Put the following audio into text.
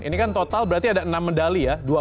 ini kan total berarti ada enam medali ya